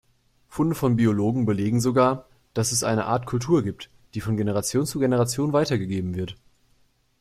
Funde von Biologen belegen sogar, dass es eine Art Kultur gibt, die von Generation zu Generation weitergegeben wird.